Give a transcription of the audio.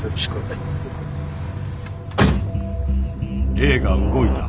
Ａが動いた。